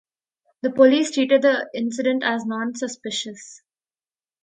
The police treated the incident as "non-suspicious".